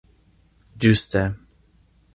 Ĝuste.